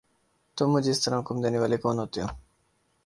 تم مجھے اس طرح حکم دینے والے کون ہوتے ہو؟